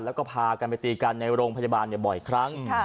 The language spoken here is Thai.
แล้วก็พากันไปตีกันในโรงพยาบาลบ่อยครั้ง